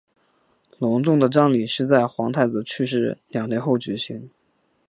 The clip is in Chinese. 隆重的葬礼在皇太子去世两天后举行。